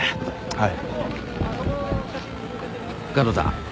はい。